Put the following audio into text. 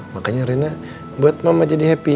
makanya rena buat mama jadi happy ya